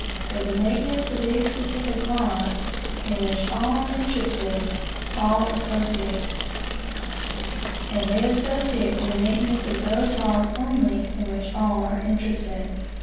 For the maintenance of these specific laws, in which all are interested, all associate. And they associate for the maintenance of those laws only, in which allare interested.